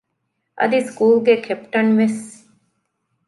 އަދި ސްކޫލުގެ ކެޕްޓަންވެސް